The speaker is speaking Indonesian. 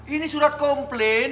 ini surat komplain